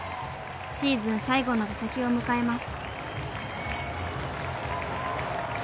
シーズン最後の打席を迎えます。